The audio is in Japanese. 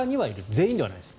全員ではないです。